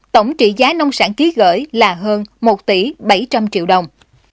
tổng trị giá nông sản ký gửi là hơn một tỷ bảy trăm linh triệu đồng